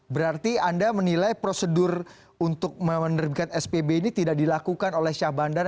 berarti anda menilai prosedur untuk menerbitkan spb ini tidak dilakukan oleh syah bandar